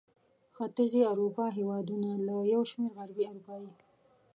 ختیځې اروپا هېوادونه له یو شمېر غربي اروپايي